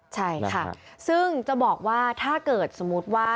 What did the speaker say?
ใช่ค่ะซึ่งจะบอกว่าถ้าเกิดสมมุติว่า